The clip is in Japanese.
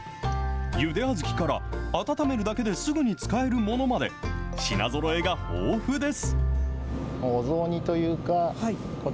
ゆで小豆から温めるだけですぐに使えるものまで、品ぞろえが豊富です。